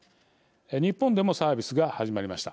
日本でもサービスが始まりました。